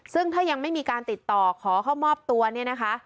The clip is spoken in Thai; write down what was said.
ซึ่งถ้ายังไม่มีการติดต่อขอเข้ามอบตัวเนี่ยนะคะ